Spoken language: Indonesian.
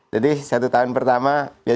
jadi satu tahun pertama ya